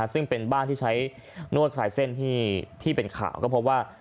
ซึ่งเป็นบ้านที่ใช้นวดคลายเส้นที่เป็นข่าวก็พบว่า